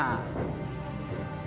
ya gampang allah team ku